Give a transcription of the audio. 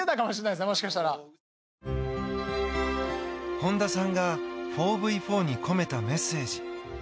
本田さんが４ｖ４に込めたメッセージ。